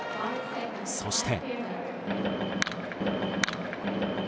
そして。